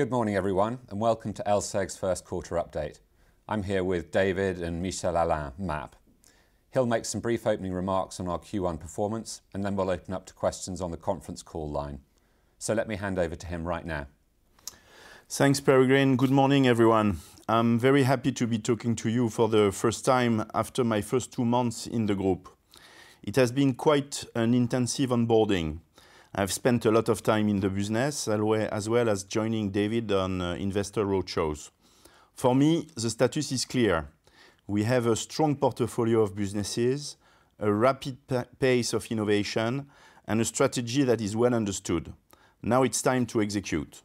Good morning, everyone, and welcome to LSEG's First Quarter Update. I'm here with David and Michel-Alain Proch. He'll make some brief opening remarks on our Q1 performance, and then we'll open up to questions on the conference call line. Let me hand over to him right now. Thanks, Peregrine. Good morning, everyone. I'm very happy to be talking to you for the first time after my first two months in the group. It has been quite an intensive onboarding. I've spent a lot of time in the business, as well as joining David on investor roadshows. For me, the status is clear: we have a strong portfolio of businesses, a rapid pace of innovation, and a strategy that is well understood. Now it's time to execute.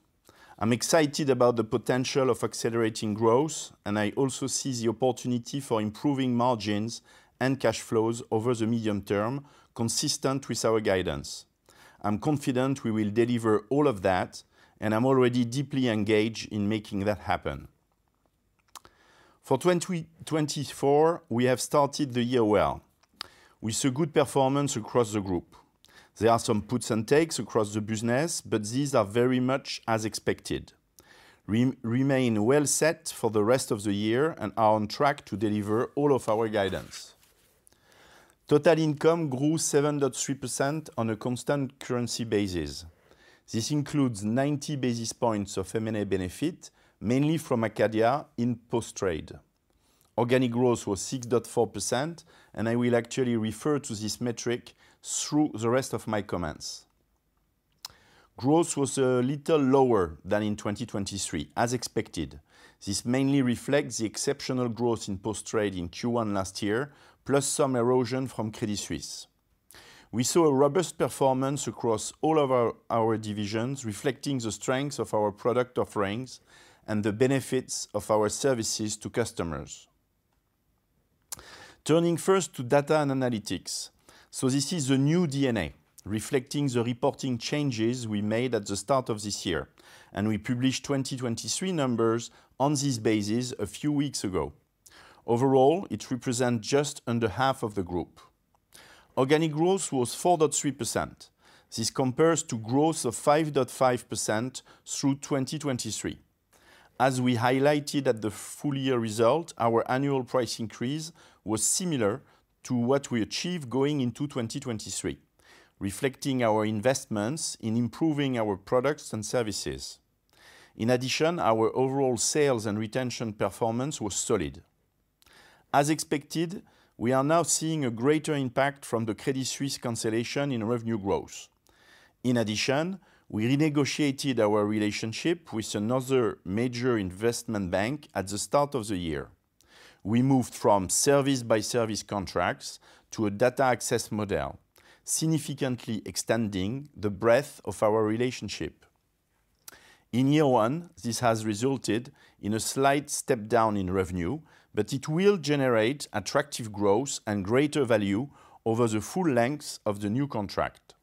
I'm excited about the potential of accelerating growth, and I also see the opportunity for improving margins and cash flows over the medium term, consistent with our guidance. I'm confident we will deliver all of that, and I'm already deeply engaged in making that happen. For 2024, we have started the year well. We saw good performance across the group. There are some puts and takes across the business, but these are very much as expected. Remain well set for the rest of the year and are on track to deliver all of our guidance. Total income grew 7.3% on a constant currency basis. This includes 90 basis points of M&A benefit, mainly from Acadia, in Post Trade. Organic growth was 6.4%, and I will actually refer to this metric through the rest of my comments. Growth was a little lower than in 2023, as expected. This mainly reflects the exceptional growth in Post Trade in Q1 last year, plus some erosion from Credit Suisse. We saw a robust performance across all of our divisions, reflecting the strengths of our product offerings and the benefits of our services to customers. Turning first to Data & Analytics. This is the new DNA, reflecting the reporting changes we made at the start of this year, and we published 2023 numbers on this basis a few weeks ago. Overall, it represents just under half of the group. Organic growth was 4.3%. This compares to growth of 5.5% through 2023. As we highlighted at the full-year result, our annual price increase was similar to what we achieved going into 2023, reflecting our investments in improving our products and services. In addition, our overall sales and retention performance was solid. As expected, we are now seeing a greater impact from the Credit Suisse cancellation in revenue growth. In addition, we renegotiated our relationship with another major investment bank at the start of the year. We moved from service-by-service contracts to a data-access model, significantly extending the breadth of our relationship. In year one, this has resulted in a slight step down in revenue, but it will generate attractive growth and greater value over the full length of the new contract.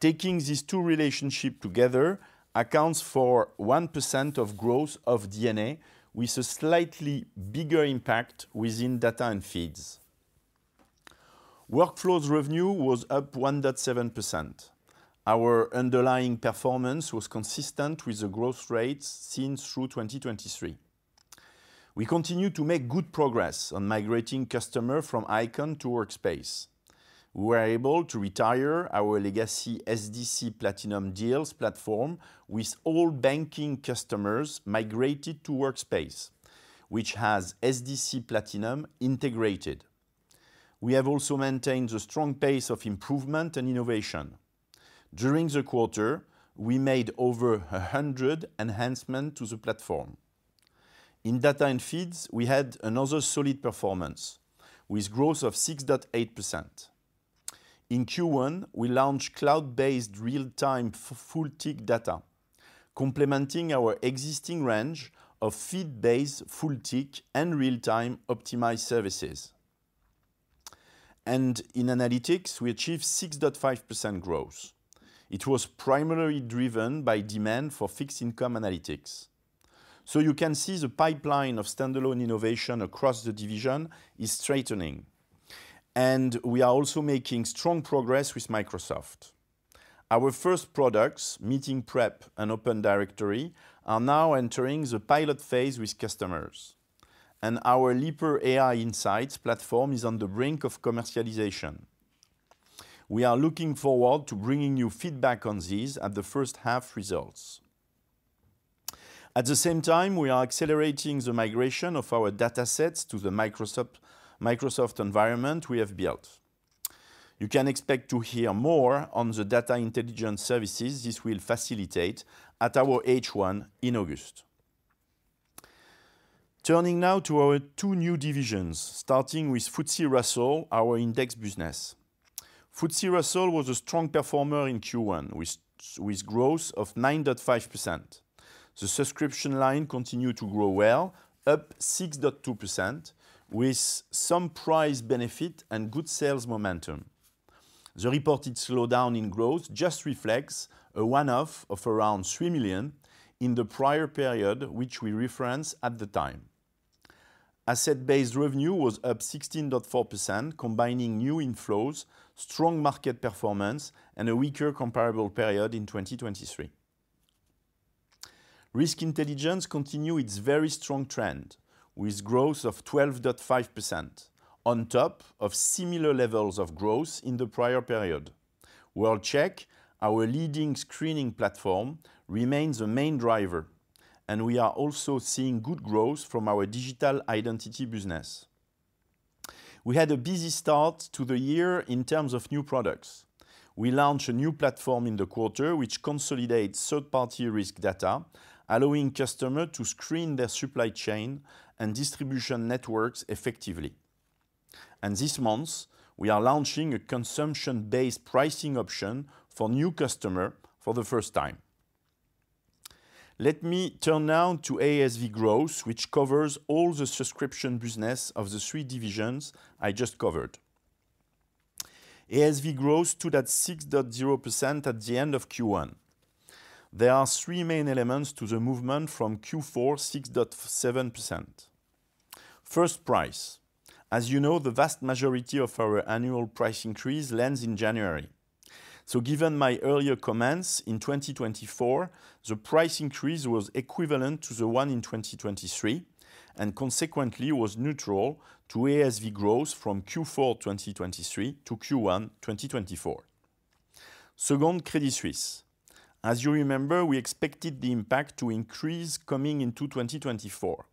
Taking these two relationships together accounts for 1% of growth of DNA, with a slightly bigger impact within Data & Feeds. Workflows revenue was up 1.7%. Our underlying performance was consistent with the growth rates seen through 2023. We continue to make good progress on migrating customers from Eikon to Workspace. We were able to retire our legacy SDC Platinum deals platform with all banking customers migrated to Workspace, which has SDC Platinum integrated. We have also maintained a strong pace of improvement and innovation. During the quarter, we made over 100 enhancements to the platform. In Data & Feeds, we had another solid performance, with growth of 6.8%. In Q1, we launched cloud-based real-time full tick data, complementing our existing range of feed-based full tick and real-time optimized services. In Analytics, we achieved 6.5% growth. It was primarily driven by demand for fixed income Analytics. You can see the pipeline of standalone innovation across the division is straightening. We are also making strong progress with Microsoft. Our first products, Meeting Prep and Open Directory, are now entering the pilot phase with customers. Our Lipper AI Insights platform is on the brink of commercialization. We are looking forward to bringing you feedback on these at the first half results. At the same time, we are accelerating the migration of our datasets to the Microsoft environment we have built. You can expect to hear more on the data intelligence services this will facilitate at our H1 in August. Turning now to our two new divisions, starting with FTSE Russell, our index business. FTSE Russell was a strong performer in Q1, with growth of 9.5%. The subscription line continued to grow well, up 6.2%, with some price benefit and good sales momentum. The reported slowdown in growth just reflects a one-off of around 3 million in the prior period, which we referenced at the time. Asset-based revenue was up 16.4%, combining new inflows, strong market performance, and a weaker comparable period in 2023. Risk Intelligence continued its very strong trend, with growth of 12.5%, on top of similar levels of growth in the prior period. World-Check, our leading screening platform, remains a main driver, and we are also seeing good growth from our digital identity business. We had a busy start to the year in terms of new products. We launched a new platform in the quarter which consolidates third-party risk data, allowing customers to screen their supply chain and distribution networks effectively. This month, we are launching a consumption-based pricing option for new customers for the first time. Let me turn now to ASV growth, which covers all the subscription businesses of the three divisions I just covered. ASV growth stood at 6.0% at the end of Q1. There are three main elements to the movement from Q4 6.7%. First, price. As you know, the vast majority of our annual price increase lands in January. Given my earlier comments, in 2024, the price increase was equivalent to the one in 2023, and consequently was neutral to ASV growth from Q4 2023-Q1 2024. Second, Credit Suisse. As you remember, we expected the impact to increase coming into 2024,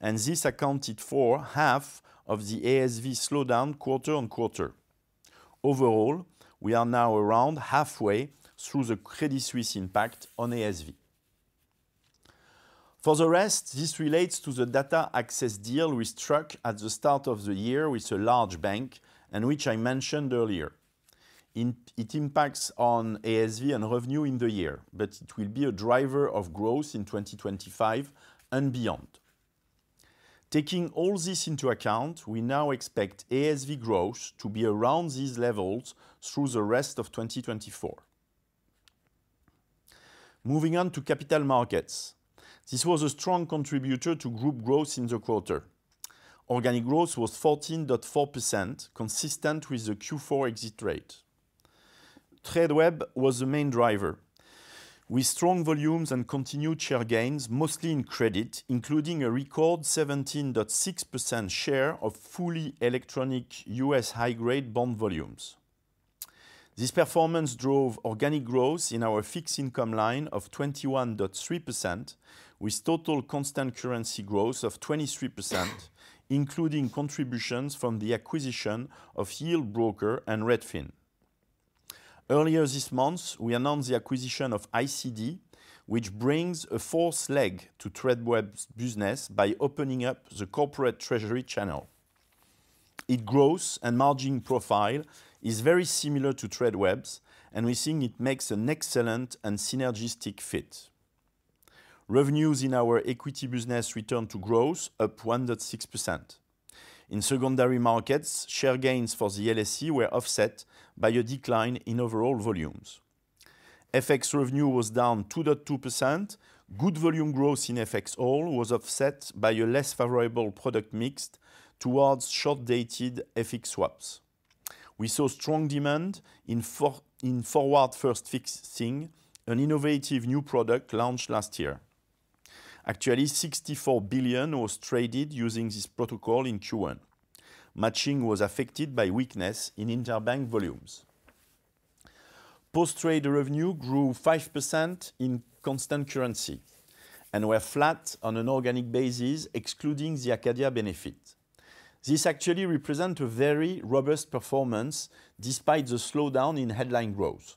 and this accounted for half of the ASV slowdown quarter-on-quarter. Overall, we are now around halfway through the Credit Suisse impact on ASV. For the rest, this relates to the data-access deal we struck at the start of the year with a large bank, and which I mentioned earlier. It impacts on ASV and revenue in the year, but it will be a driver of growth in 2025 and beyond. Taking all this into account, we now expect ASV growth to be around these levels through the rest of 2024. Moving on to Capital Markets. This was a strong contributor to group growth in the quarter. Organic growth was 14.4%, consistent with the Q4 exit rate. Tradeweb was the main driver, with strong volumes and continued share gains, mostly in credit, including a record 17.6% share of fully electronic U.S. high-grade bond volumes. This performance drove organic growth in our fixed income line of 21.3%, with total constant currency growth of 23%, including contributions from the acquisition of Yieldbroker and r8fin. Earlier this month, we announced the acquisition of ICD, which brings a fourth leg to Tradeweb's business by opening up the corporate treasury channel. Its growth and margin profile is very similar to Tradeweb's, and we think it makes an excellent and synergistic fit. Revenues in our equity business returned to growth, up 1.6%. In secondary markets, share gains for the LSE were offset by a decline in overall volumes. FX revenue was down 2.2%. Good volume growth in FXall was offset by a less favorable product mix towards short-dated FX swaps. We saw strong demand in Forward First, an innovative new product launched last year. Actually, $64 billion was traded using this protocol in Q1. Matching was affected by weakness in interbank volumes. Post Trade revenue grew 5% in constant currency, and were flat on an organic basis, excluding the Acadia benefit. This actually represents a very robust performance despite the slowdown in headline growth.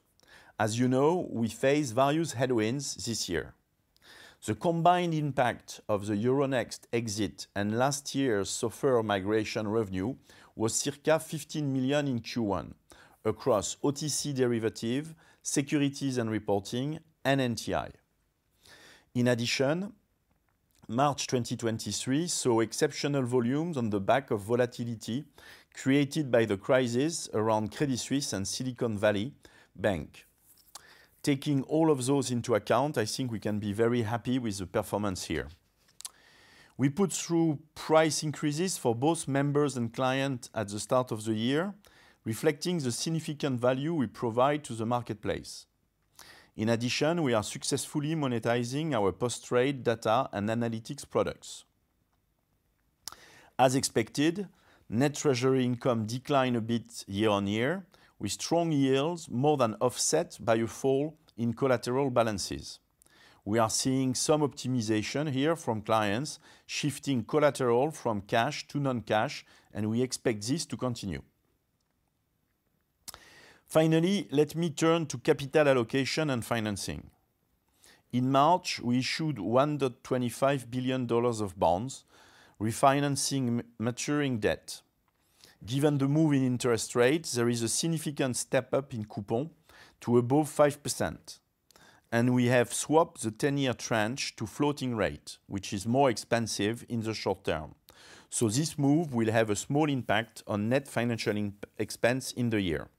As you know, we faced various headwinds this year. The combined impact of the Euronext exit and last year's Software Migration revenue was circa 15 million in Q1, across OTC derivatives, securities and reporting, and NTI. In addition, March 2023 saw exceptional volumes on the back of volatility created by the crisis around Credit Suisse and Silicon Valley Bank. Taking all of those into account, I think we can be very happy with the performance here. We put through price increases for both members and clients at the start of the year, reflecting the significant value we provide to the marketplace. In addition, we are successfully monetizing our Post Trade Data & Analytics products. As expected, net treasury income declined a bit year-over-year, with strong yields more than offset by a fall in collateral balances. We are seeing some optimization here from clients shifting collateral from cash to non-cash, and we expect this to continue. Finally, let me turn to capital allocation and financing. In March, we issued $1.25 billion of bonds, refinancing maturing debt. Given the move in interest rates, there is a significant step up in coupons to above 5%. We have swapped the 10-year tranche to floating rate, which is more expensive in the short term. So this move will have a small impact on net financial expense in the year.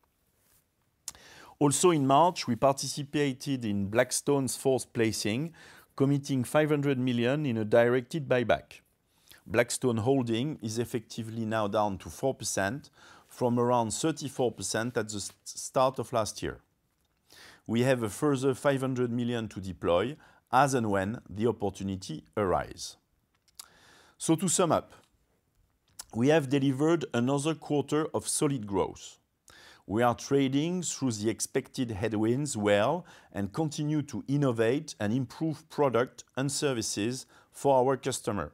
Also, in March, we participated in Blackstone's fourth placing, committing 500 million in a directed buyback. Blackstone's holding is effectively now down to 4%, from around 34% at the start of last year. We have a further 500 million to deploy, as and when the opportunity arises. So to sum up, we have delivered another quarter of solid growth. We are trading through the expected headwinds well and continue to innovate and improve products and services for our customers.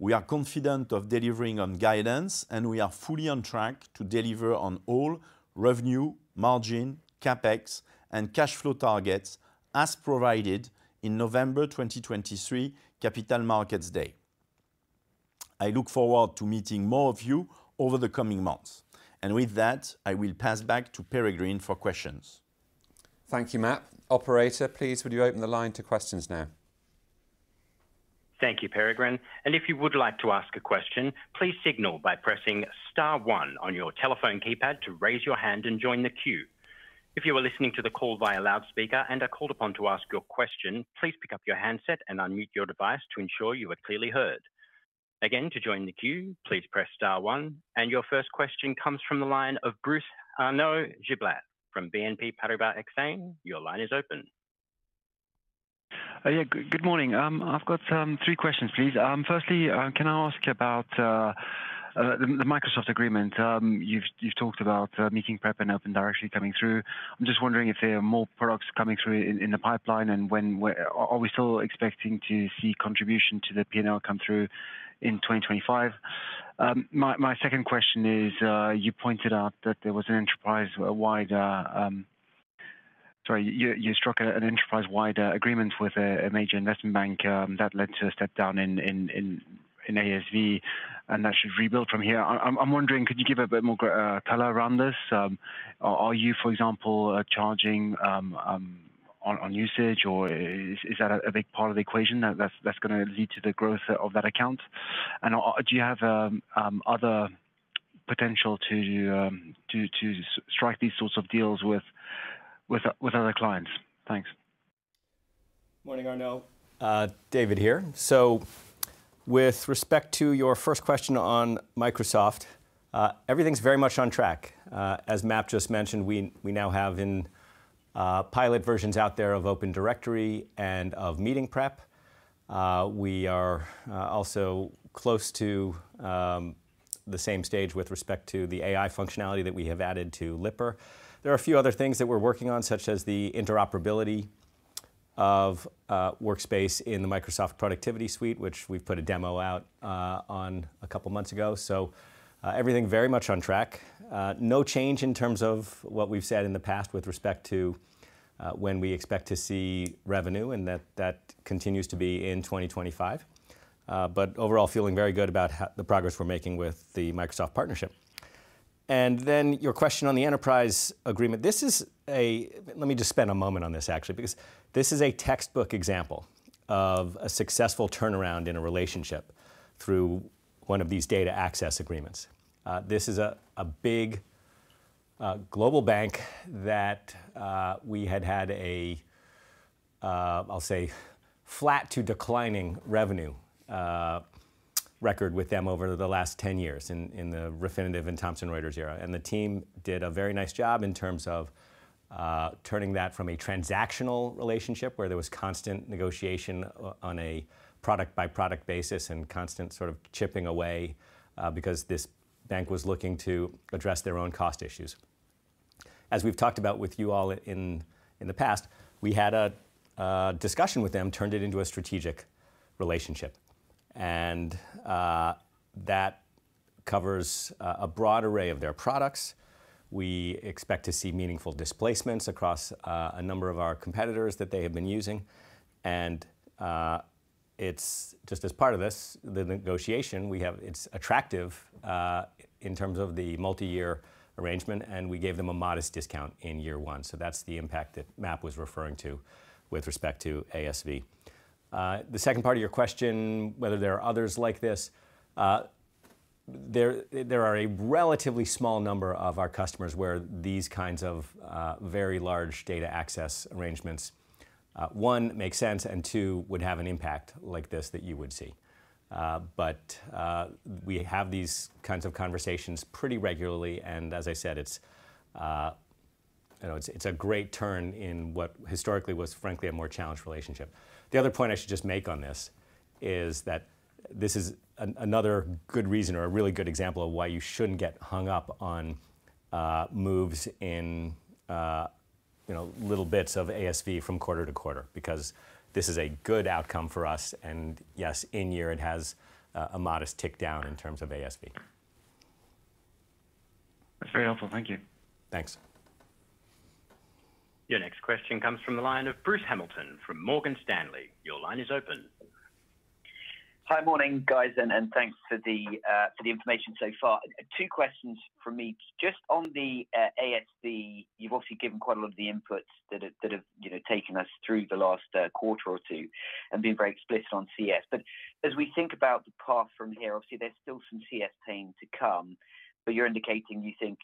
We are confident of delivering on guidance, and we are fully on track to deliver on all revenue, margin, CapEx, and cash flow targets as provided in November 2023 Capital Markets Day. I look forward to meeting more of you over the coming months. And with that, I will pass back to Peregrine for questions. Thank you, MAP. Operator, please, would you open the line to questions now? Thank you, Peregrine. And if you would like to ask a question, please signal by pressing star one on your telephone keypad to raise your hand and join the queue. If you are listening to the call via loudspeaker and are called upon to ask your question, please pick up your handset and unmute your device to ensure you are clearly heard. Again, to join the queue, please press star one. And your first question comes from the line of Arnaud Giblat from BNP Paribas Exane. Your line is open. Yeah. Good morning. I've got three questions, please. Firstly, can I ask about the Microsoft agreement? You've talked about Meeting Prep and Open Directory coming through. I'm just wondering if there are more products coming through in the pipeline and when are we still expecting to see contribution to the P&L come through in 2025? My second question is, you pointed out that there was an enterprise-wide sorry, you struck an enterprise-wide agreement with a major investment bank that led to a step down in ASV, and that should rebuild from here. I'm wondering, could you give a bit more color around this? Are you, for example, charging on usage, or is that a big part of the equation that's going to lead to the growth of that account? And do you have other potential to strike these sorts of deals with other clients? Thanks. Morning, Arnaud. David here. So with respect to your first question on Microsoft, everything's very much on track. As MAP just mentioned, we now have in pilot versions out there of Open Directory and of Meeting Prep. We are also close to the same stage with respect to the AI functionality that we have added to Lipper. There are a few other things that we're working on, such as the interoperability of Workspace in the Microsoft Productivity Suite, which we've put a demo out on a couple of months ago. So everything very much on track. No change in terms of what we've said in the past with respect to when we expect to see revenue, and that continues to be in 2025. But overall, feeling very good about the progress we're making with the Microsoft partnership. And then your question on the enterprise agreement. Let me just spend a moment on this, actually, because this is a textbook example of a successful turnaround in a relationship through one of these data access agreements. This is a big global bank that we had had a, I'll say, flat to declining revenue record with them over the last 10 years in the Refinitiv and Thomson Reuters era. The team did a very nice job in terms of turning that from a transactional relationship where there was constant negotiation on a product-by-product basis and constant sort of chipping away because this bank was looking to address their own cost issues. As we've talked about with you all in the past, we had a discussion with them, turned it into a strategic relationship. That covers a broad array of their products. We expect to see meaningful displacements across a number of our competitors that they have been using. Just as part of this, the negotiation, it's attractive in terms of the multi-year arrangement, and we gave them a modest discount in year one. That's the impact that MAP was referring to with respect to ASV. The second part of your question, whether there are others like this, there are a relatively small number of our customers where these kinds of very large data access arrangements, one, make sense, and two, would have an impact like this that you would see. We have these kinds of conversations pretty regularly. As I said, it's a great turn in what historically was, frankly, a more challenged relationship. The other point I should just make on this is that this is another good reason or a really good example of why you shouldn't get hung up on moves in little bits of ASV from quarter to quarter, because this is a good outcome for us. And yes, in year, it has a modest tick down in terms of ASV. That's very helpful. Thank you. Thanks. Your next question comes from the line of Bruce Hamilton from Morgan Stanley. Your line is open. Hi. Morning, guys. And thanks for the information so far. Two questions from me. Just on the ASV, you've obviously given quite a lot of the inputs that have taken us through the last quarter or two and been very explicit on CS. But as we think about the path from here, obviously, there's still some CS pain to come. But you're indicating you think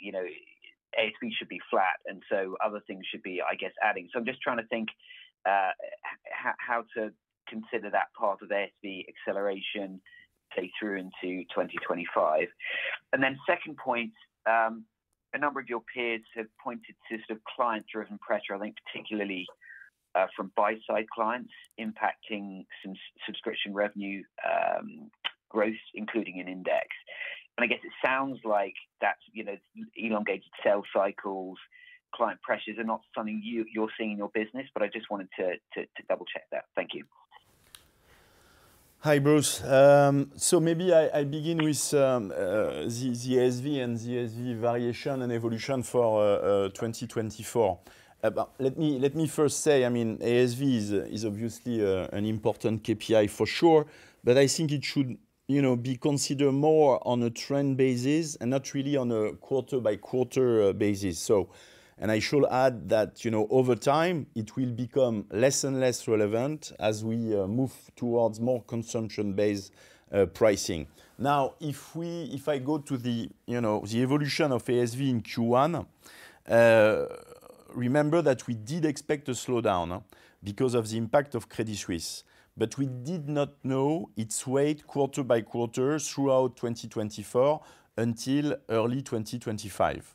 ASV should be flat, and so other things should be, I guess, adding. So I'm just trying to think how to consider that part of ASV acceleration, say, through into 2025. And then second point, a number of your peers have pointed to sort of client-driven pressure, I think particularly from buy-side clients, impacting some subscription revenue growth, including an index. And I guess it sounds like that's elongated sales cycles, client pressures are not something you're seeing in your business. But I just wanted to double-check that. Thank you. Hi, Bruce. So maybe I begin with the ASV and the ASV variation and evolution for 2024. Let me first say, I mean, ASV is obviously an important KPI for sure. But I think it should be considered more on a trend basis and not really on a quarter-by-quarter basis. I shall add that over time, it will become less and less relevant as we move towards more consumption-based pricing. Now, if I go to the evolution of ASV in Q1, remember that we did expect a slowdown because of the impact of Credit Suisse. But we did not know its weight quarter by quarter throughout 2024 until early 2025.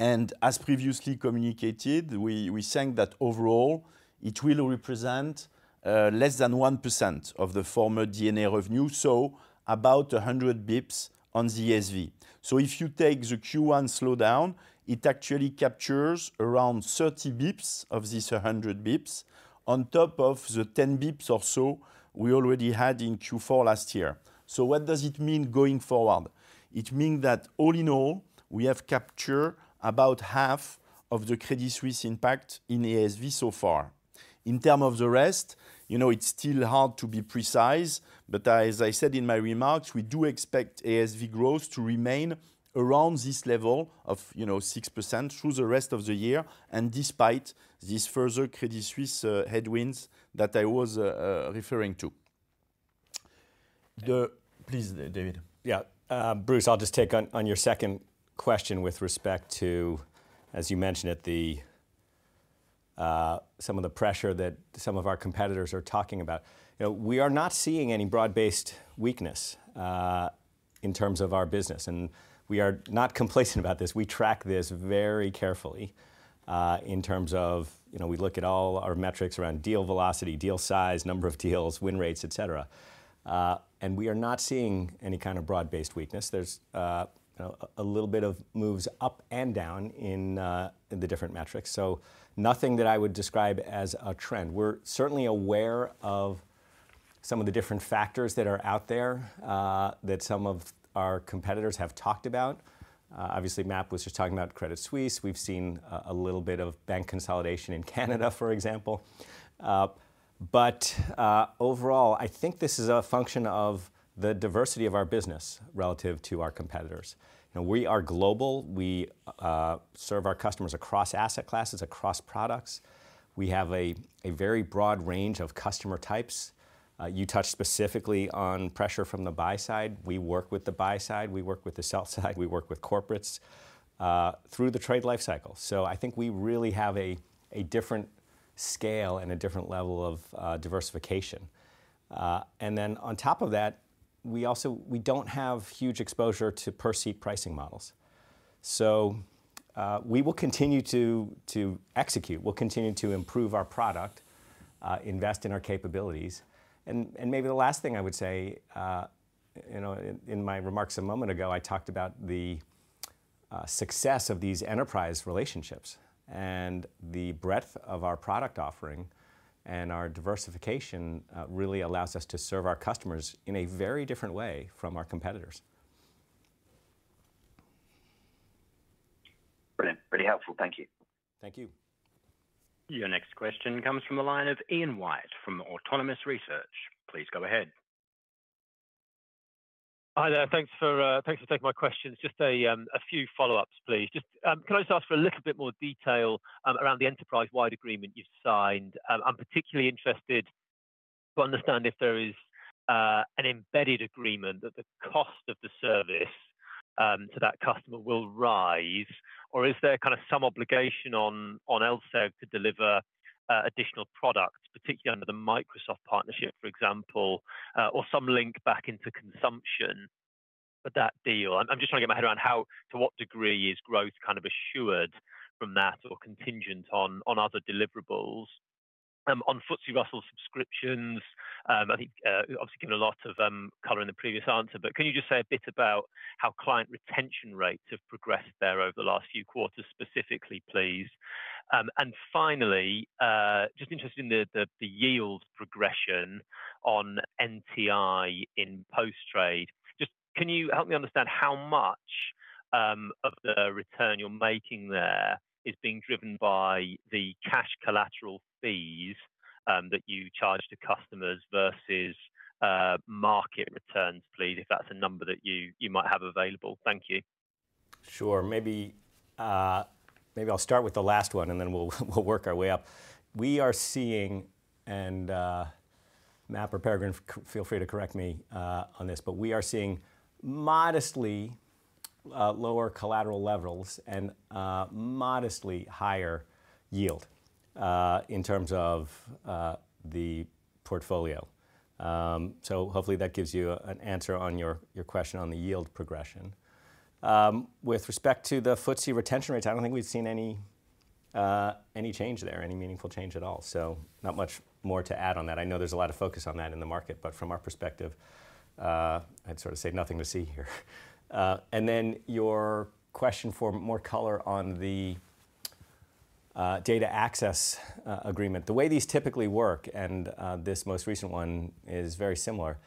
As previously communicated, we think that overall, it will represent less than 1% of the former DNA revenue, so about 100 bips on the ASV. So if you take the Q1 slowdown, it actually captures around 30 bips of this 100 bips on top of the 10 bips or so we already had in Q4 last year. So what does it mean going forward? It means that all in all, we have captured about half of the Credit Suisse impact in ASV so far. In terms of the rest, it's still hard to be precise. But as I said in my remarks, we do expect ASV growth to remain around this level of 6% through the rest of the year and despite these further Credit Suisse headwinds that I was referring to. Please, David. Yeah. Bruce, I'll just take on your second question with respect to, as you mentioned, some of the pressure that some of our competitors are talking about. We are not seeing any broad-based weakness in terms of our business. And we are not complacent about this. We track this very carefully in terms of we look at all our metrics around deal velocity, deal size, number of deals, win rates, et cetera. And we are not seeing any kind of broad-based weakness. There's a little bit of moves up and down in the different metrics. Nothing that I would describe as a trend. We're certainly aware of some of the different factors that are out there that some of our competitors have talked about. Obviously, MAP was just talking about Credit Suisse. We've seen a little bit of bank consolidation in Canada, for example. But overall, I think this is a function of the diversity of our business relative to our competitors. We are global. We serve our customers across asset classes, across products. We have a very broad range of customer types. You touched specifically on pressure from the buy side. We work with the buy side. We work with the sell side. We work with corporates through the trade lifecycle. So I think we really have a different scale and a different level of diversification. And then on top of that, we don't have huge exposure to per-seat pricing models. So we will continue to execute. We'll continue to improve our product, invest in our capabilities. And maybe the last thing I would say, in my remarks a moment ago, I talked about the success of these enterprise relationships. And the breadth of our product offering and our diversification really allows us to serve our customers in a very different way from our competitors. Brilliant. Really helpful. Thank you. Thank you. Your next question comes from the line of Ian White from Autonomous Research. Please go ahead. Hi there. Thanks for taking my questions. Just a few follow-ups, please. Can I just ask for a little bit more detail around the enterprise-wide agreement you've signed? I'm particularly interested to understand if there is an embedded agreement that the cost of the service to that customer will rise, or is there kind of some obligation on LSEG to deliver additional products, particularly under the Microsoft partnership, for example, or some link back into consumption for that deal? I'm just trying to get my head around to what degree is growth kind of assured from that or contingent on other deliverables. On FTSE Russell subscriptions, I think obviously given a lot of color in the previous answer. But can you just say a bit about how client retention rates have progressed there over the last few quarters, specifically, please? And finally, just interested in the yield progression on NTI in Post Trade. Just can you help me understand how much of the return you're making there is being driven by the cash collateral fees that you charge to customers versus market returns, please, if that's a number that you might have available? Thank you. Sure. Maybe I'll start with the last one, and then we'll work our way up. We are seeing and MAP or Peregrine, feel free to correct me on this. But we are seeing modestly lower collateral levels and modestly higher yield in terms of the portfolio. So hopefully, that gives you an answer on your question on the yield progression. With respect to the FTSE retention rates, I don't think we've seen any change there, any meaningful change at all. So not much more to add on that. I know there's a lot of focus on that in the market. But from our perspective, I'd sort of say nothing to see here. And then your question for more color on the data access agreement. The way these typically work, and this most recent one is very similar,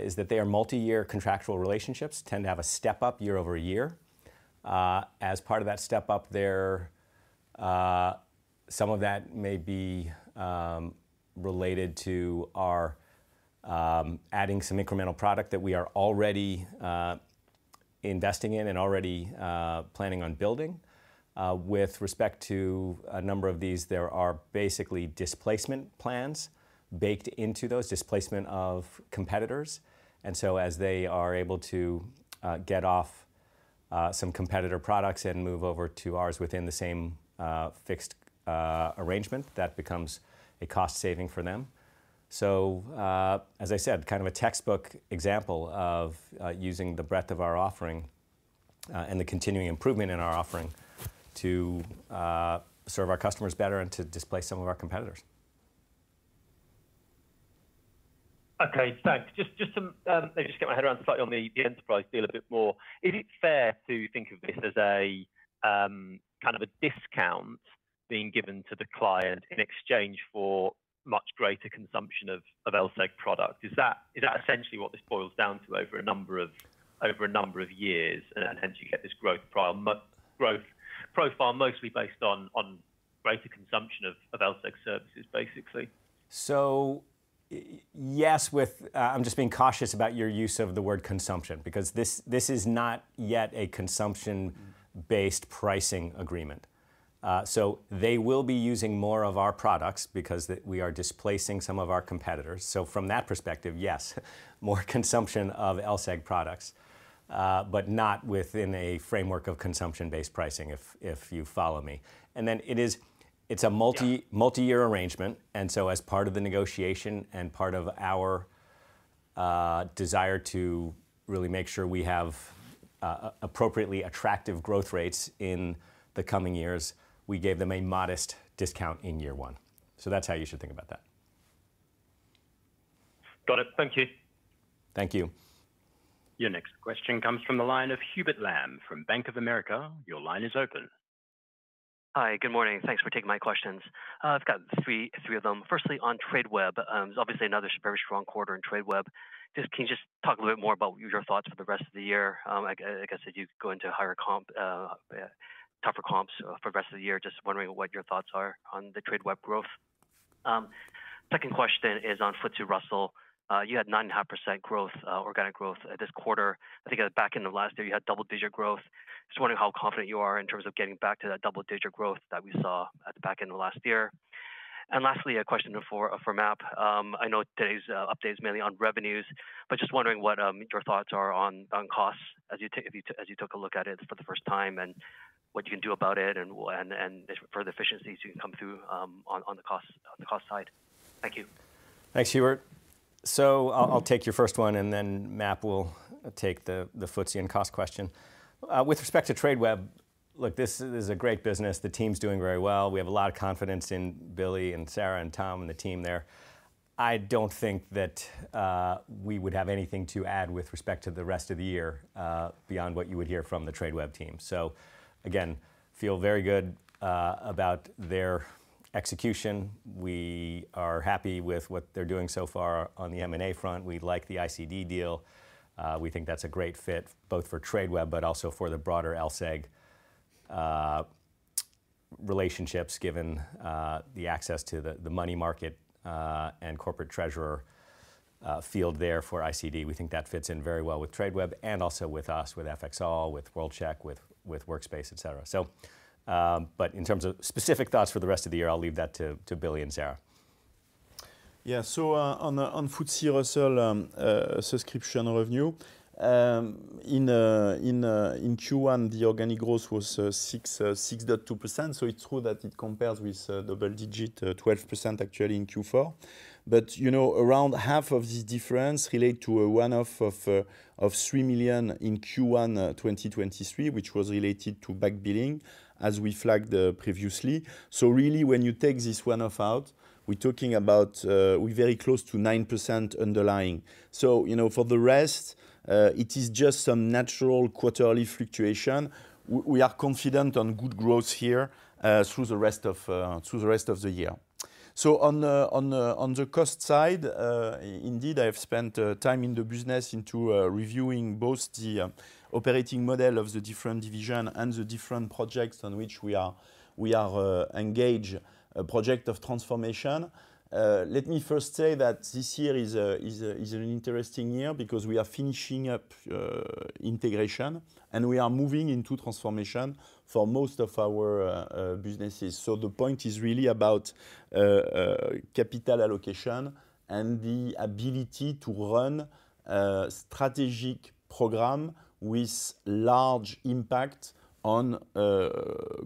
is that they are multi-year contractual relationships, tend to have a step-up year-over-year. As part of that step-up, some of that may be related to adding some incremental product that we are already investing in and already planning on building. With respect to a number of these, there are basically displacement plans baked into those, displacement of competitors. And so as they are able to get off some competitor products and move over to ours within the same fixed arrangement, that becomes a cost saving for them. So as I said, kind of a textbook example of using the breadth of our offering and the continuing improvement in our offering to serve our customers better and to displace some of our competitors. Okay. Thanks. Let me just get my head around slightly on the enterprise deal a bit more. Is it fair to think of this as kind of a discount being given to the client in exchange for much greater consumption of LSEG product? Is that essentially what this boils down to over a number of years, and hence you get this growth profile mostly based on greater consumption of LSEG services, basically? So yes, I'm just being cautious about your use of the word consumption because this is not yet a consumption-based pricing agreement. So they will be using more of our products because we are displacing some of our competitors. So from that perspective, yes, more consumption of LSEG products, but not within a framework of consumption-based pricing, if you follow me. And then it's a multi-year arrangement. And so as part of the negotiation and part of our desire to really make sure we have appropriately attractive growth rates in the coming years, we gave them a modest discount in year one. So that's how you should think about that. Got it. Thank you. Thank you. Your next question comes from the line of Hubert Lam from Bank of America. Your line is open. Hi. Good morning. Thanks for taking my questions. I've got three of them. Firstly, on Tradeweb. It's obviously another very strong quarter in Tradeweb. Can you just talk a little bit more about your thoughts for the rest of the year? Like I said, you go into tougher comps for the rest of the year. Just wondering what your thoughts are on the Tradeweb growth. Second question is on FTSE Russell. You had 9.5% organic growth this quarter. I think at the back end of last year, you had double-digit growth. Just wondering how confident you are in terms of getting back to that double-digit growth that we saw at the back end of last year. And lastly, a question for MAP. I know today's update is mainly on revenues. But just wondering what your thoughts are on costs as you took a look at it for the first time and what you can do about it and further efficiencies you can come through on the cost side. Thank you. Thanks, Hubert. So I'll take your first one, and then MAP will take the FTSE and cost question. With respect to Tradeweb, look, this is a great business. The team's doing very well. We have a lot of confidence in Billy and Sara and Tom and the team there. I don't think that we would have anything to add with respect to the rest of the year beyond what you would hear from the Tradeweb team. So again, feel very good about their execution. We are happy with what they're doing so far on the M&A front. We like the ICD deal. We think that's a great fit both for Tradeweb but also for the broader LSEG relationships given the access to the money market and corporate treasurer field there for ICD. We think that fits in very well with Tradeweb and also with us, with FXall, with World-Check, with Workspace, et cetera. But in terms of specific thoughts for the rest of the year, I'll leave that to Billy and Sara. Yeah. So on FTSE Russell subscription revenue, in Q1, the organic growth was 6.2%. So it's true that it compares with double-digit 12% actually in Q4. But around half of this difference relates to a one-off of 3 million in Q1 2023, which was related to backbilling as we flagged previously. So really, when you take this one-off out, we're very close to 9% underlying. So for the rest, it is just some natural quarterly fluctuation. We are confident on good growth here through the rest of the year. So on the cost side, indeed, I have spent time in the business reviewing both the operating model of the different division and the different projects on which we are engaged, a project of transformation. Let me first say that this year is an interesting year because we are finishing up integration, and we are moving into transformation for most of our businesses. So the point is really about capital allocation and the ability to run strategic programs with large impact on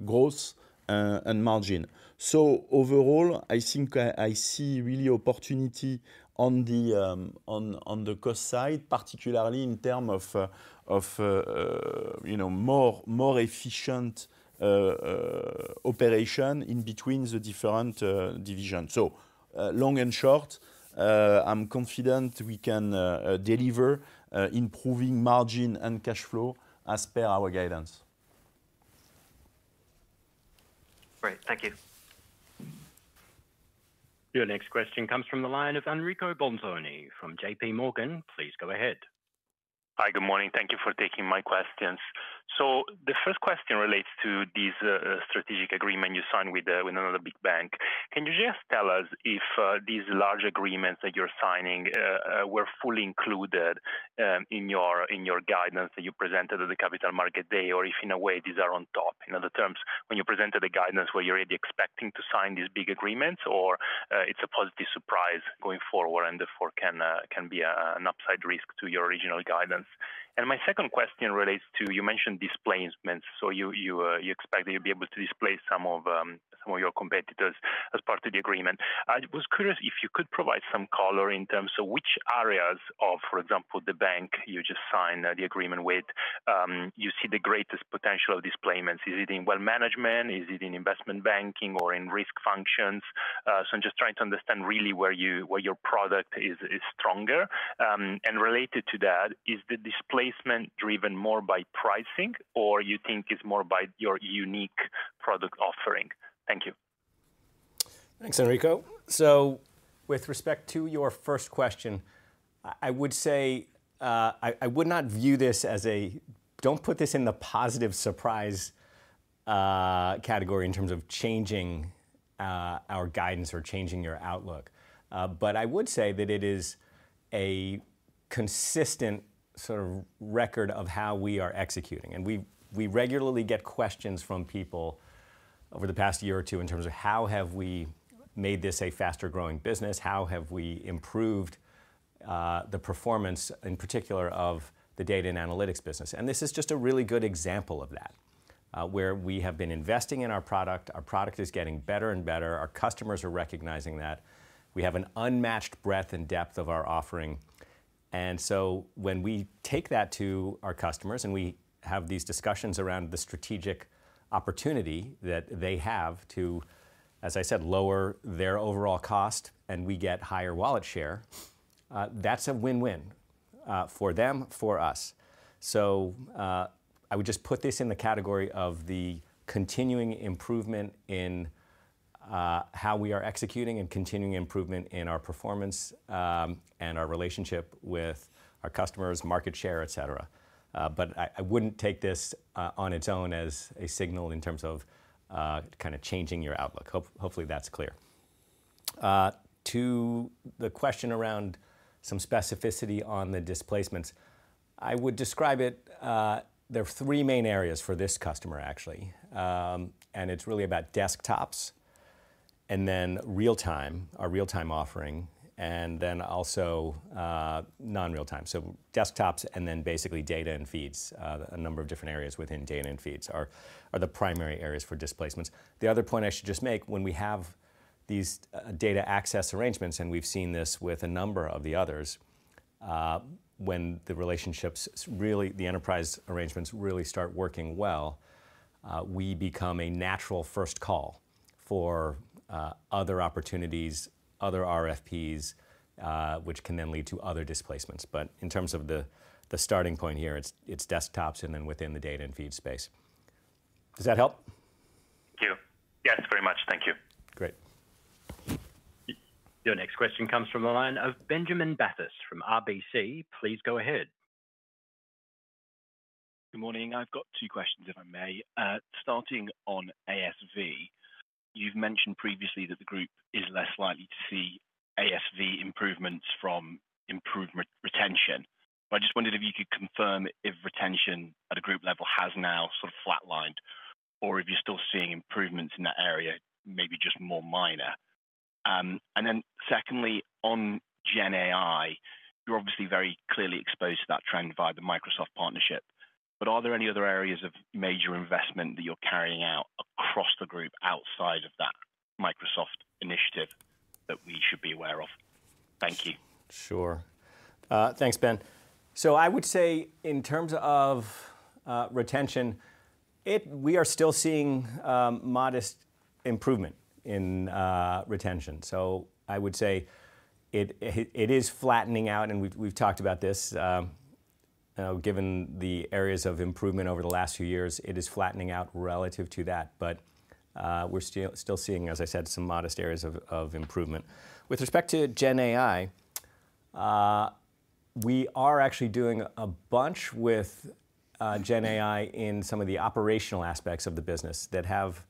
growth and margin. So overall, I see really opportunity on the cost side, particularly in terms of more efficient operation in between the different divisions. So long and short, I'm confident we can deliver improving margin and cash flow as per our guidance. Great. Thank you. Your next question comes from the line of Enrico Bolzoni from JP Morgan. Please go ahead. Hi. Good morning. Thank you for taking my questions. So the first question relates to this strategic agreement you signed with another big bank. Can you just tell us if these large agreements that you're signing were fully included in your guidance that you presented at the Capital Markets Day, or if in a way these are on top? In other terms, when you presented the guidance, were you already expecting to sign these big agreements, or it's a positive surprise going forward, and therefore can be an upside risk to your original guidance? And my second question relates to you mentioned displacements. So you expect that you'll be able to displace some of your competitors as part of the agreement. I was curious if you could provide some color in terms of which areas of, for example, the bank you just signed the agreement with, you see the greatest potential of displacements. Is it in wealth management? Is it in investment banking or in risk functions? So, I'm just trying to understand really where your product is stronger. And related to that, is the displacement driven more by pricing, or you think it's more by your unique product offering? Thank you. Thanks, Enrico. So, with respect to your first question, I would say I would not view this as a don't put this in the positive surprise category in terms of changing our guidance or changing your outlook. But I would say that it is a consistent sort of record of how we are executing. And we regularly get questions from people over the past year or two in terms of how have we made this a faster-growing business? How have we improved the performance, in particular, of the Data & Analytics business? And this is just a really good example of that, where we have been investing in our product. Our product is getting better and better. Our customers are recognizing that. We have an unmatched breadth and depth of our offering. And so when we take that to our customers and we have these discussions around the strategic opportunity that they have to, as I said, lower their overall cost and we get higher wallet share, that's a win-win for them, for us. So I would just put this in the category of the continuing improvement in how we are executing and continuing improvement in our performance and our relationship with our customers, market share, et cetera. But I wouldn't take this on its own as a signal in terms of kind of changing your outlook. Hopefully, that's clear. To the question around some specificity on the displacements, I would describe it there are three main areas for this customer, actually. And it's really about desktops and then real-time, our real-time offering, and then also non-real-time. So desktops and then basically Data & Feeds, a number of different areas within Data & Feeds are the primary areas for displacements. The other point I should just make, when we have these data access arrangements and we've seen this with a number of the others, when the enterprise arrangements really start working well, we become a natural first call for other opportunities, other RFPs, which can then lead to other displacements. But in terms of the starting point here, it's desktops and then within the data and feed space. Does that help? Thank you. Yes, very much. Thank you. Great. Your next question comes from the line of Benjamin Bathurst from RBC. Please go ahead. Good morning. I've got two questions, if I may. Starting on ASV, you've mentioned previously that the group is less likely to see ASV improvements from improved retention. But I just wondered if you could confirm if retention at a group level has now sort of flatlined or if you're still seeing improvements in that area, maybe just more minor. And then secondly, on GenAI, you're obviously very clearly exposed to that trend via the Microsoft partnership. But are there any other areas of major investment that you're carrying out across the group outside of that Microsoft initiative that we should be aware of? Thank you. Sure. Thanks, Ben. So I would say in terms of retention, we are still seeing modest improvement in retention. So I would say it is flattening out. And we've talked about this. Given the areas of improvement over the last few years, it is flattening out relative to that. But we're still seeing, as I said, some modest areas of improvement. With respect to GenAI, we are actually doing a bunch with GenAI in some of the operational aspects of the business that have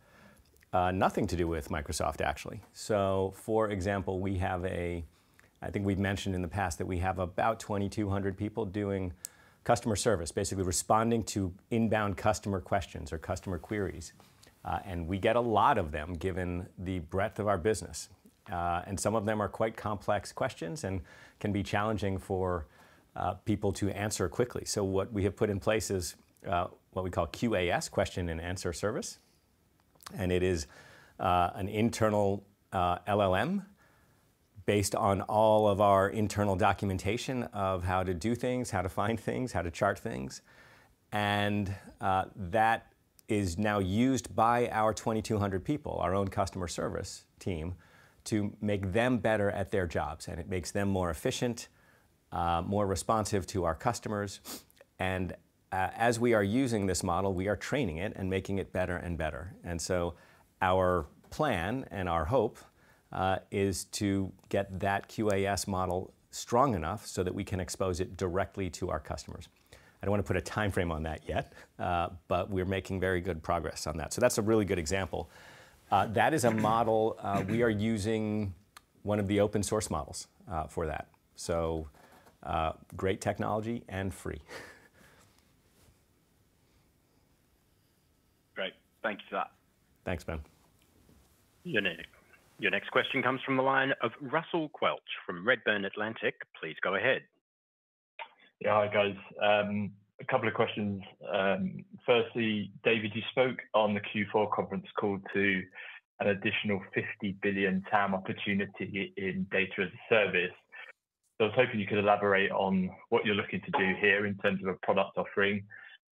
nothing to do with Microsoft, actually. So for example, I think we've mentioned in the past that we have about 2,200 people doing customer service, basically responding to inbound customer questions or customer queries. We get a lot of them given the breadth of our business. Some of them are quite complex questions and can be challenging for people to answer quickly. So what we have put in place is what we call QAS, Question-and-Answer Service. It is an internal LLM based on all of our internal documentation of how to do things, how to find things, how to chart things. That is now used by our 2,200 people, our own customer service team, to make them better at their jobs. It makes them more efficient, more responsive to our customers. As we are using this model, we are training it and making it better and better. Our plan and our hope is to get that QAS model strong enough so that we can expose it directly to our customers. I don't want to put a time frame on that yet, but we're making very good progress on that. That's a really good example. That is a model we are using one of the open-source models for that. Great technology and free. Great. Thank you for that. Thanks, Ben. Your next question comes from the line of Russell Quelch from Redburn Atlantic. Please go ahead. Yeah. Hi, guys. A couple of questions. Firstly, David, you spoke on the Q4 conference call to an additional $50 billion TAM opportunity in data as a service. So I was hoping you could elaborate on what you're looking to do here in terms of a product offering,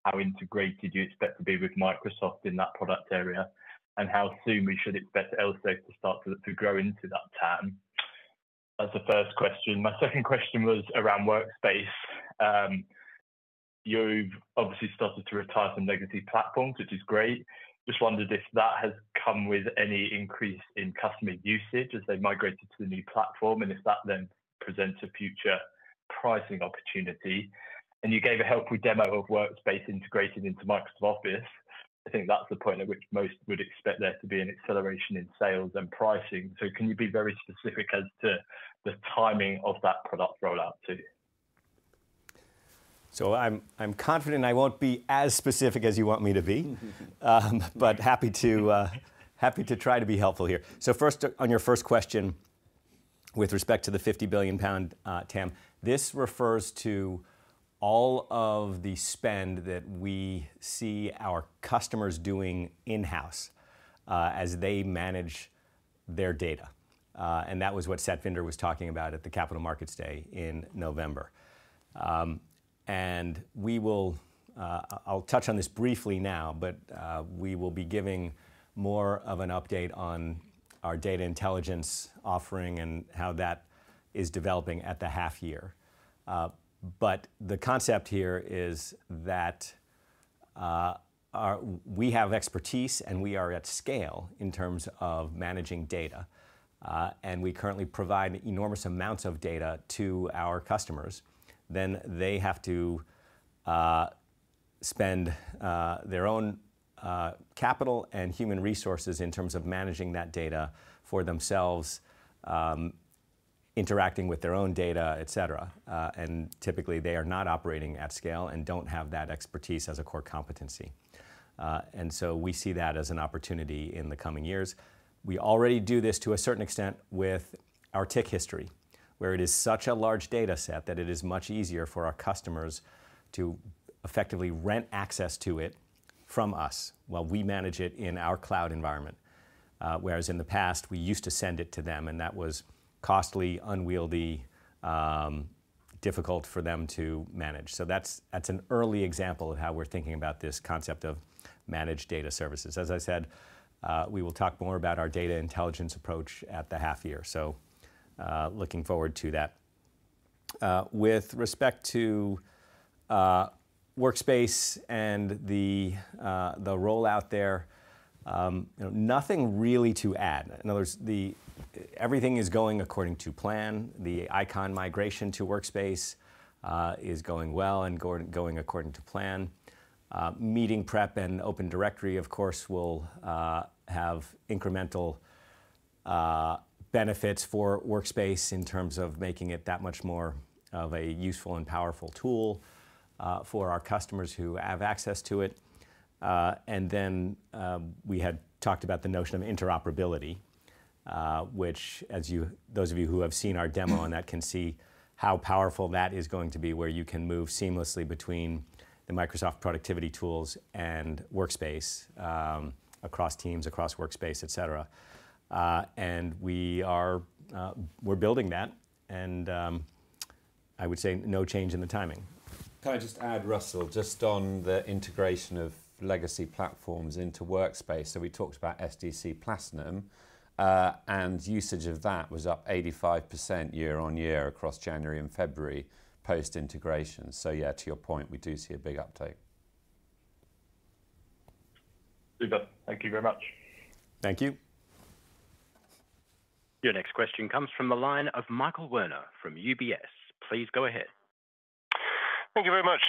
how integrated you expect to be with Microsoft in that product area, and how soon we should expect LSEG to start to grow into that TAM. That's the first question. My second question was around Workspace. You've obviously started to retire some legacy platforms, which is great. Just wondered if that has come with any increase in customer usage as they migrated to the new platform and if that then presents a future pricing opportunity. And you gave a helpful demo of Workspace integrated into Microsoft Office. I think that's the point at which most would expect there to be an acceleration in sales and pricing. So can you be very specific as to the timing of that product rollout, too? So I'm confident I won't be as specific as you want me to be, but happy to try to be helpful here. So on your first question with respect to the 50 billion pound TAM, this refers to all of the spend that we see our customers doing in-house as they manage their data. And that was what Satvinder was talking about at the Capital Markets Day in November. And I'll touch on this briefly now, but we will be giving more of an update on our data intelligence offering and how that is developing at the half-year. But the concept here is that we have expertise and we are at scale in terms of managing data. And we currently provide enormous amounts of data to our customers. Then they have to spend their own capital and human resources in terms of managing that data for themselves, interacting with their own data, et cetera. And typically, they are not operating at scale and don't have that expertise as a core competency. And so we see that as an opportunity in the coming years. We already do this to a certain extent with our tick history, where it is such a large data set that it is much easier for our customers to effectively rent access to it from us while we manage it in our cloud environment. Whereas in the past, we used to send it to them, and that was costly, unwieldy, difficult for them to manage. So that's an early example of how we're thinking about this concept of managed data services. As I said, we will talk more about our data intelligence approach at the half-year. So looking forward to that. With respect to Workspace and the rollout there, nothing really to add. In other words, everything is going according to plan. The Eikon migration to Workspace is going well and going according to plan. Meeting Prep and Open Directory, of course, will have incremental benefits for Workspace in terms of making it that much more of a useful and powerful tool for our customers who have access to it. And then we had talked about the notion of interoperability, which those of you who have seen our demo on that can see how powerful that is going to be, where you can move seamlessly between the Microsoft productivity tools and Workspace across teams, across Workspace, et cetera. And we're building that. And I would say no change in the timing. Can I just add, Russell, just on the integration of legacy platforms into Workspace? So we talked about SDC Platinum, and usage of that was up 85% year-on-year across January and February post-integration. So yeah, to your point, we do see a big uptake. Super. Thank you very much. Thank you. Your next question comes from the line of Michael Werner from UBS. Please go ahead. Thank you very much.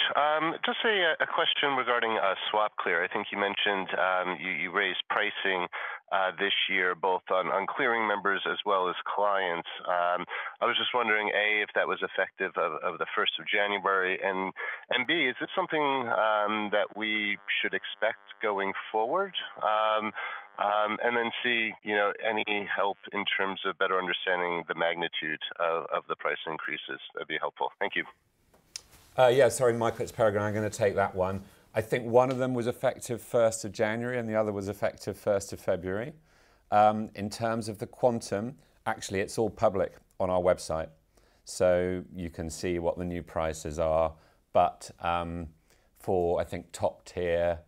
Just a question regarding SwapClear. I think you raised pricing this year both on clearing members as well as clients. I was just wondering, A, if that was effective of the 1st of January, and B, is it something that we should expect going forward? And then C, any help in terms of better understanding the magnitude of the price increases? That'd be helpful. Thank you. Yeah. Sorry, Michael. It's Peregrine. I'm going to take that one. I think one of them was effective 1st of January, and the other was effective 1st of February. In terms of the quantum, actually, it's all public on our website, so you can see what the new prices are. But for, I think, top-tier,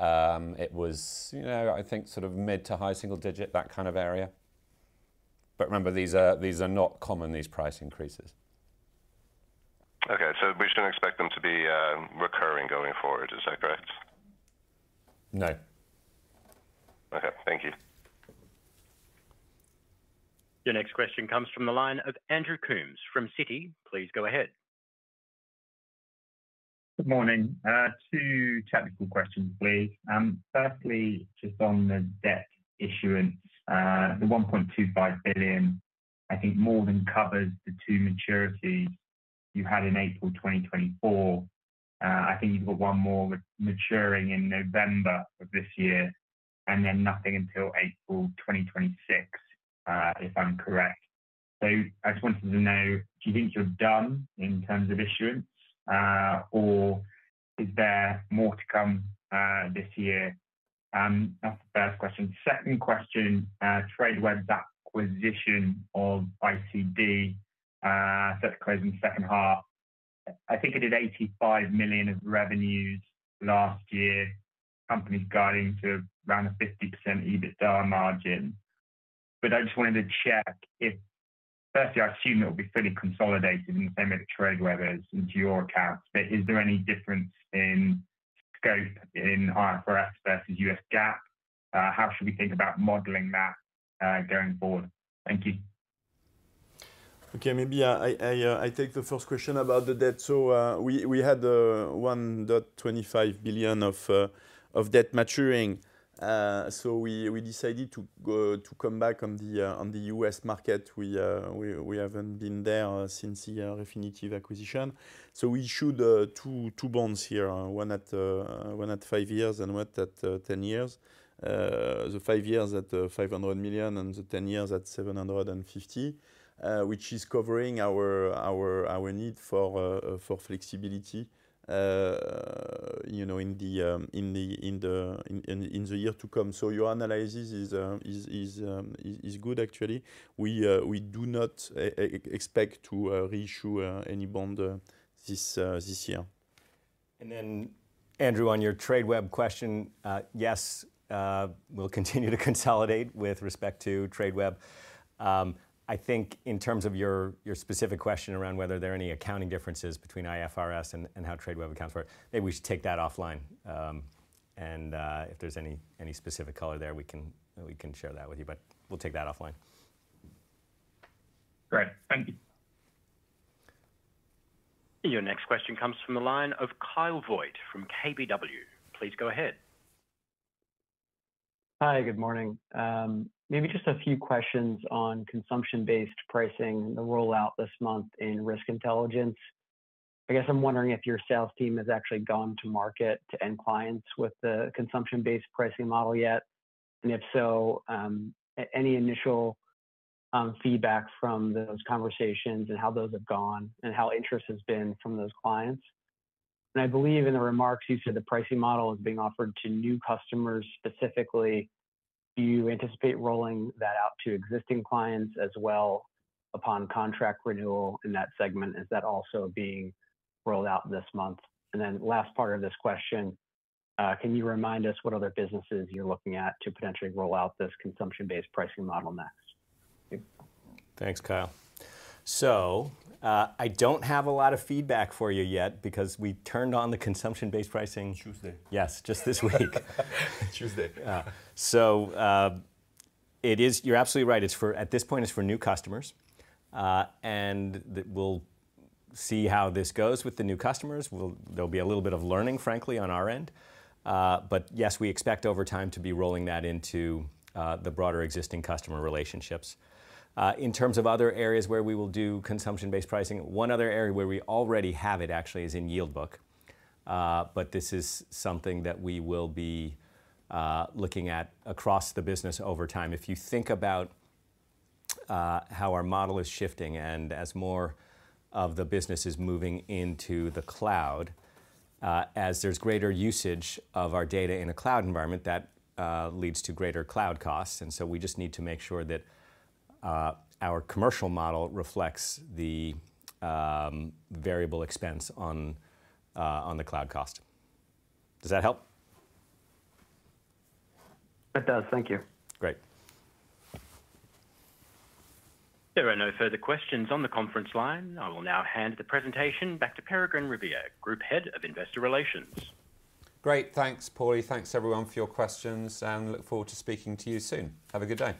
it was, I think, sort of mid- to high-single-digit, that kind of area. But remember, these are not common, these price increases. OK. So we shouldn't expect them to be recurring going forward. Is that correct? No. OK. Thank you. Your next question comes from the line of Andrew Coombs from Citi. Please go ahead. Good morning. Two technical questions, please. Firstly, just on the debt issuance, the $1.25 billion, I think, more than covers the two maturities you had in April 2024. I think you've got one more maturing in November of this year and then nothing until April 2026, if I'm correct. So I just wanted to know, do you think you're done in terms of issuance, or is there more to come this year? That's the first question. Second question, Tradeweb's acquisition of ICD, set to close in the second half, I think it did $85 million of revenues last year, companies guiding to around a 50% EBITDA margin. But I just wanted to check if, firstly, I assume it will be fully consolidated in the same way that Tradeweb is into your accounts. But is there any difference in scope in IFRS versus U.S. GAAP? How should we think about modeling that going forward? Thank you. OK. Maybe I take the first question about the debt. So we had $1.25 billion of debt maturing. So we decided to come back on the U.S. market. We haven't been there since the definitive acquisition. So we issued two bonds here, one at five years and one at 10 years, the five years at $500 million and the 10 years at $750 million, which is covering our need for flexibility in the year to come. So your analysis is good, actually. We do not expect to reissue any bond this year. And then Andrew, on your Tradeweb question, yes, we'll continue to consolidate with respect to Tradeweb. I think in terms of your specific question around whether there are any accounting differences between IFRS and how Tradeweb accounts for it, maybe we should take that offline. And if there's any specific color there, we can share that with you. But we'll take that offline. Great. Thank you. Your next question comes from the line of Kyle Voigt from KBW. Please go ahead. Hi. Good morning. Maybe just a few questions on consumption-based pricing and the rollout this month in Risk Intelligence. I guess I'm wondering if your sales team has actually gone to market to end clients with the consumption-based pricing model yet. And if so, any initial feedback from those conversations and how those have gone and how interest has been from those clients. And I believe in the remarks, you said the pricing model is being offered to new customers specifically. Do you anticipate rolling that out to existing clients as well upon contract renewal in that segment? Is that also being rolled out this month? And then last part of this question, can you remind us what other businesses you're looking at to potentially roll out this consumption-based pricing model next? Thanks, Kyle. So I don't have a lot of feedback for you yet because we turned on the consumption-based pricing. Tuesday. Yes. Just this week. Tuesday. Yeah. So you're absolutely right. At this point, it's for new customers. And we'll see how this goes with the new customers. There'll be a little bit of learning, frankly, on our end. But yes, we expect over time to be rolling that into the broader existing customer relationships. In terms of other areas where we will do consumption-based pricing, one other area where we already have it, actually, is in Yield Book. But this is something that we will be looking at across the business over time. If you think about how our model is shifting and as more of the business is moving into the cloud, as there's greater usage of our data in a cloud environment, that leads to greater cloud costs. So we just need to make sure that our commercial model reflects the variable expense on the cloud cost. Does that help? It does. Thank you. Great. There are no further questions on the conference line. I will now hand the presentation back to Peregrine Riviere, Group Head of Investor Relations. Great. Thanks, Polly. Thanks, everyone, for your questions. And look forward to speaking to you soon. Have a good day.